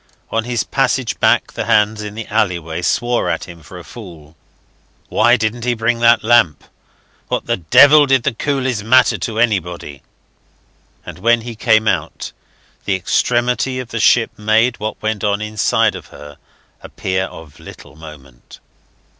On his passage back the hands in the alleyway swore at him for a fool. Why didn't he bring that lamp? What the devil did the coolies matter to anybody? And when he came out, the extremity of the ship made what went on inside of her appear of little moment.